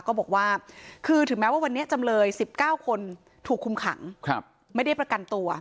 ก็บอกว่าคือถึงแม้ว่าวันนี้จำเลย๑๙คนถูกคุมขังไม่ได้ประกันตัว